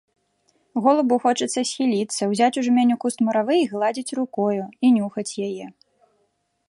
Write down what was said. Голубу хочацца схіліцца, узяць у жменю куст муравы і гладзіць рукою, і нюхаць яе.